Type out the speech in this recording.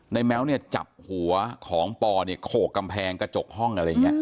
ในแมวจับหัวของปอโขกกำแพงกระจกห้อง